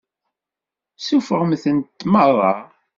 Suffɣemt-tent meṛṛa.